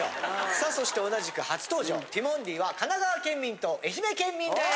さあそして同じく初登場ティモンディは神奈川県民と愛媛県民です！